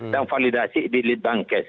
dan validasi di litbangkes